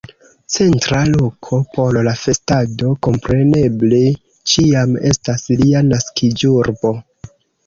Centra loko por la festado kompreneble ĉiam estas lia naskiĝurbo.